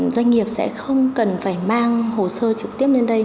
doanh nghiệp sẽ không cần phải mang hồ sơ trực tiếp lên đây